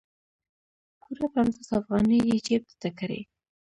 پوره پنځوس افغانۍ یې جیب ته کړې.